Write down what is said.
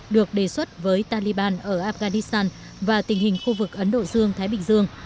được đề xuất với taliban ở afghanistan và tình hình khu vực ấn độ dương thái bình dương